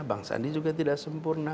bang sandi juga tidak sempurna